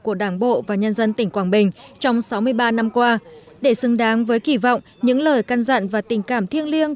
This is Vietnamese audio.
của đảng bộ và nhân dân tỉnh quảng bình trong sáu mươi ba năm qua để xứng đáng với kỳ vọng những lời can dặn và tình cảm thiêng liêng